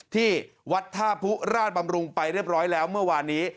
ที่วัดท่าผู้ราชบำรุงไปเรียบร้อยแล้วเมื่อวานนี้